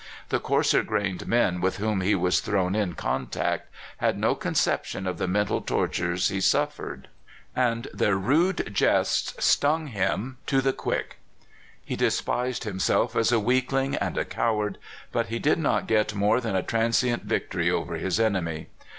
The coarser crrained men with whom he was thrown in contact had no conception of the mental tortures he suffered, and their rude jests stung him to the SUICIDE IN CALIFORNIA. 233 quick. He despised himself as a weakling and a coward, but he did not get more than a transient victory over his enemy.